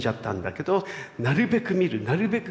なるべく見るなるべく